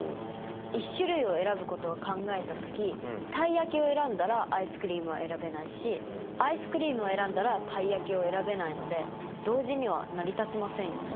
１種類を選ぶことを考えた時たい焼きを選んだらアイスクリームは選べないしアイスクリームを選んだらたい焼きを選べないので同時には成り立ちませんよね。